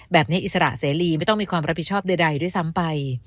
อิสระเสรีไม่ต้องมีความรับผิดชอบใดด้วยซ้ำไป